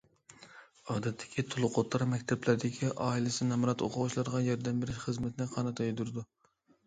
ئادەتتىكى تولۇق ئوتتۇرا مەكتەپلەردىكى ئائىلىسى نامرات ئوقۇغۇچىلارغا ياردەم بېرىش خىزمىتىنى قانات يايدۇرىدۇ.